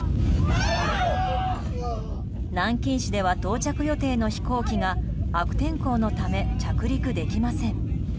南京市では、到着予定の飛行機が悪天候のため着陸できません。